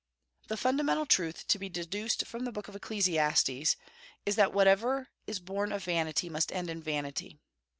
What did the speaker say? The fundamental truth to be deduced from the book of Ecclesiastes is that whatsoever is born of vanity must end in vanity.